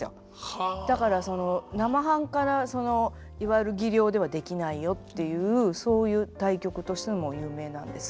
だから生半可なそのいわゆる技量ではできないよっていうそういう大曲としても有名なんです。